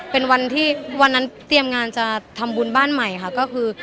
เป็นวันที่วันนั้นเตรียมงานจะทำบุญบ้านใหม่ค่ะก็คือ